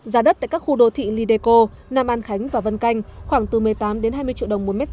giá đất tại các khu đô thị lideco nam an khánh và vân canh khoảng từ một mươi tám đến hai mươi triệu đồng một m hai